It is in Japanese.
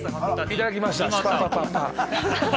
いただきました。